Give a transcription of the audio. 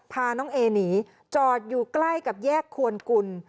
พาน้องเอหนีจอดอยู่ใกล้กับแยกควนกุล